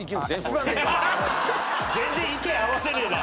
全然意見合わせねえな。